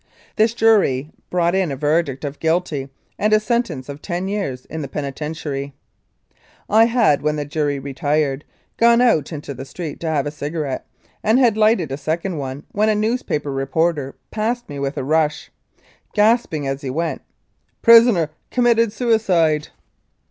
This jury brought in a verdict of guilty and a sentence of ten years in the penitentiary. I had, when the jury retired, gone out into the street to have a cigarette, and had lighted a second one, when a newspaper reporter passed me with a rush, gasping as he went, "Prisoner committed suicide."